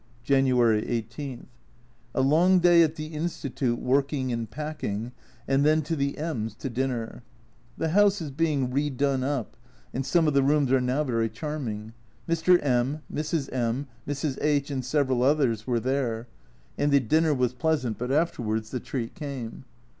January 18. A long day at the Institute working and packing, and then to the M s" to dinner. The house is being re done up, and some of the rooms are now very charming. Mr. M , Mrs. M , Mrs. H , and several others were there, and the dinner was pleasant, but afterwards the treat came.